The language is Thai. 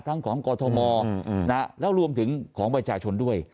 ของกอทมแล้วรวมถึงของประชาชนด้วย